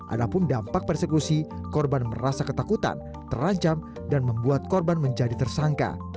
ada pun dampak persekusi korban merasa ketakutan terancam dan membuat korban menjadi tersangka